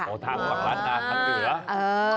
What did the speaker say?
ทางล้านหนาทางเหนือ